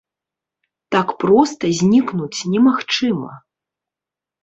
Так проста знікнуць немагчыма.